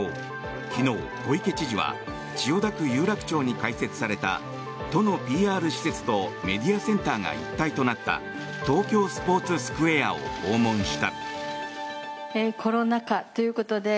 昨日、小池知事は千代田区有楽町に開設された都のＰＲ施設とメディアセンターが一体となった東京スポーツスクエアを訪問した。